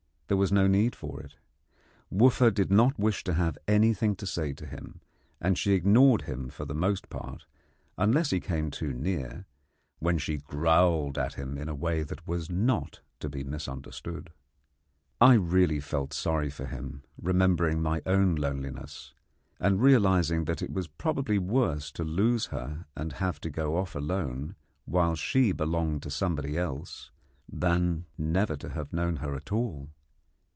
There was no need for it. Wooffa did not wish to have anything to say to him, and she ignored him for the most part unless he came too near, when she growled at him in a way that was not to be misunderstood. I really felt sorry for him, remembering my own loneliness, and realizing that it was probably worse to lose her and have to go off alone, while she belonged to somebody else, than never to have known her at all.